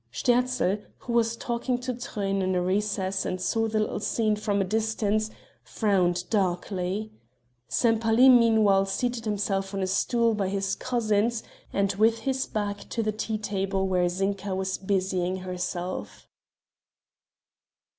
Sterzl, who was talking to Truyn in a recess and saw the little scene from a distance, frowned darkly. Sempaly meanwhile seated himself on a stool by his cousins and with his back to the tea table where Zinka was busying herself.